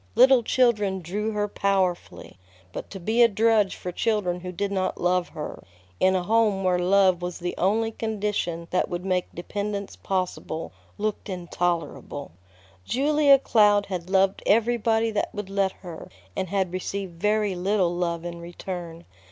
Little children drew her powerfully, but to be a drudge for children who did not love her, in a home where love was the only condition that would make dependence possible, looked intolerable. Julia Cloud had loved everybody that would let her, and had received very little love in return.